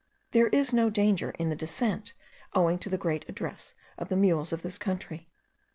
There is no danger in the descent, owing to the great address of the mules of this country.